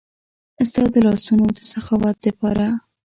ستا د لاسونو د سخاوت د پاره